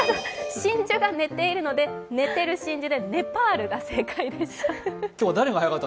真珠が寝ているので寝ている真珠でネパールが正解でした。